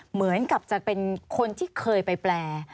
เหมือนกับจะเป็นคนที่เคยไปแปล